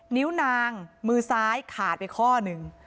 นิ้วนางมือซ้ายขาดไปข้อหนึ่ง